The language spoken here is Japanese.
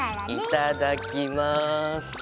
いただきます。